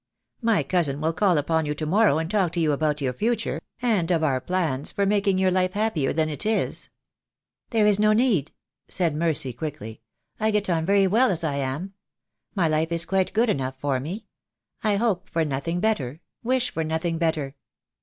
My cousin will call upon you to morrow and talk to you about your future — and of our plans for making your life happier than it is." "There is no need," said Mercy, quickly, "I get THE DAY WILL COME. I 45 on very well as I am. My life is quite good enough for me. I hope for nothing better, wish for nothing better."